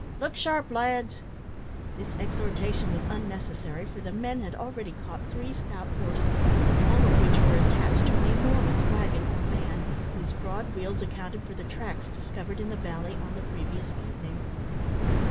Look sharp, lads." This exhortation was unnecessary, for the men had already caught three stout horses, all of which were attached to an enormous waggon or van, whose broad wheels accounted for the tracks discovered in the valley on the previous evening.